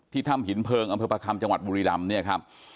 ถ้ำหินเพลิงอำเภอประคัมจังหวัดบุรีรำเนี่ยครับ